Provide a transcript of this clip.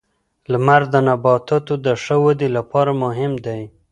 • لمر د نباتاتو د ښه ودې لپاره مهم دی.